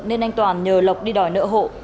nên anh toàn nhờ lộc đi đòi nợ hộ